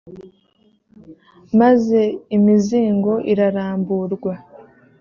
maze imizingo iraramburwa